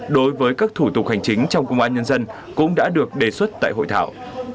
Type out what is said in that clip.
đối với các thủ tục hành chính trong công an nhân dân cũng đã được đề xuất tại hội thảo